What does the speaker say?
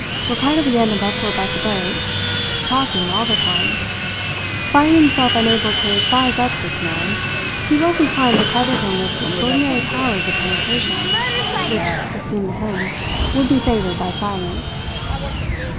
Ricardo began to bustle about the boat, talking all the time. Finding himself unable to "size up" this man, he was inclined to credit him with extraordinary powers of penetration, which, it seemed to him, would be favoured by silence.